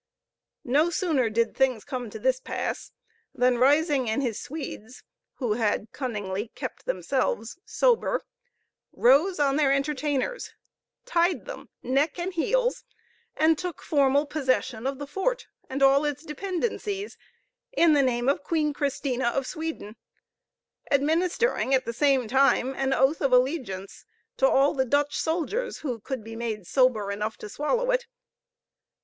No sooner did things come to this pass, than Risingh and his Swedes, who had cunningly kept themselves sober, rose on their entertainers, tied them neck and heels, and took formal possession of the fort and all its dependencies, in the name of Queen Christina of Sweden, administering at the same time an oath of allegiance to all the Dutch soldiers who could be made sober enough to swallow it.